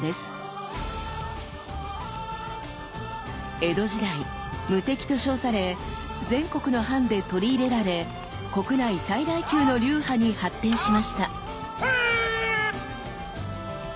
江戸時代無敵と称され全国の藩で取り入れられ国内最大級の流派に発展しました。